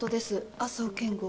安生健吾